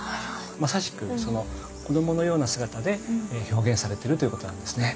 まさしく子どものような姿で表現されてるということなんですね。